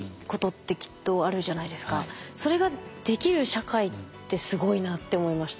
それができる社会ってすごいなって思いました。